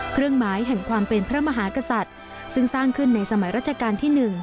เครื่องหมายแห่งความเป็นพระมหากษัตริย์ซึ่งสร้างขึ้นในสมัยราชการที่๑